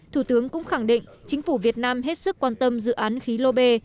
thủ tướng cũng khẳng định chính phủ việt nam hết sức quan tâm dự án khí lô bê